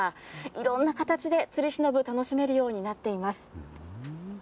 いろんな形でつりしのぶ、楽しめるようになっています。